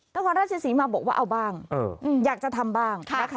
นครราชศรีมาบอกว่าเอาบ้างอยากจะทำบ้าง